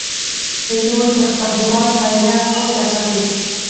پیلوټ د خپل هېواد بیرغ پورته ساتي.